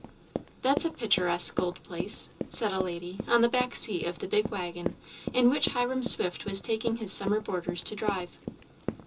"That's a picturesque old place," said a lady on the back seat of the big wagon in which Hiram Swift was taking his summer boarders to drive.